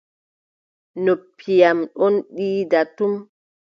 Noppi am don iida tum.